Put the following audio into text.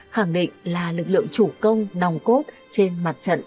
khẳng định là lực lượng chủ công nòng cốt trên mặt trận